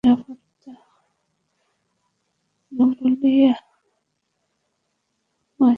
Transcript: বলিয়া মহিম তামাক টানিতে টানিতে বাহির হইয়া গেলেন।